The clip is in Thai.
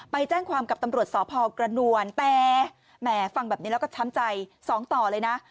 ไปแจ้งความกับตำรวจสพกระนวลแต่แหมฟังแบบนี้แล้วก็ช้ำใจสองต่อเลยนะ